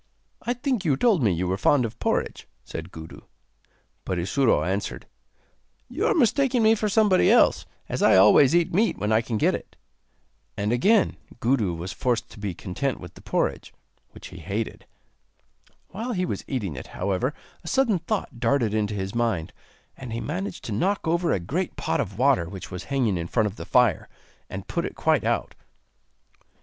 'I think you told me you were fond of porridge,' said Gudu; but Isuro answered: 'You are mistaking me for somebody else, as I always eat meat when I can get it.' And again Gudu was forced to be content with the porridge, which he hated. While he was eating it, however a sudden thought darted into his mind, and he managed to knock over a great pot of water which was hanging in front of the fire, and put it quite out.